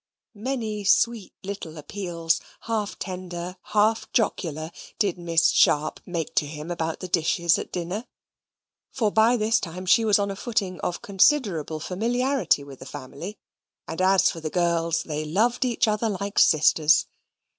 Many sweet little appeals, half tender, half jocular, did Miss Sharp make to him about the dishes at dinner; for by this time she was on a footing of considerable familiarity with the family, and as for the girls, they loved each other like sisters.